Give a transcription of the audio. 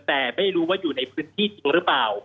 แต่ไม่รู้ว่าอยู่ในพื้นที่จริงหรือเปล่า